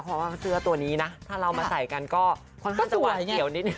เพราะว่าเสื้อตัวนี้นะถ้าเรามาใส่กันก็ค่อนข้างจะหวาดเสียวนิดนึ